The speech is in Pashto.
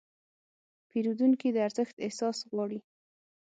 پیرودونکي د ارزښت احساس غواړي.